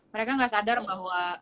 mereka gak sadar bahwa